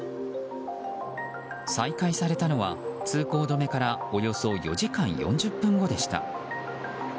再開されたのは、通行止めからおよそ４時間４０分後でした。